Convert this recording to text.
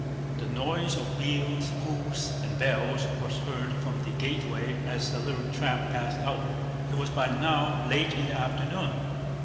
The noise of wheels, hoofs, and bells was heard from the gateway as a little trap passed out. It was by now late in the afternoon.